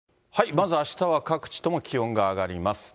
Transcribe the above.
まずあしたは各地とも気温が上がります。